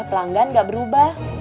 beda pelanggan nggak berubah